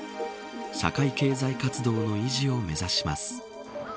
社会経済活動の維持を目指します。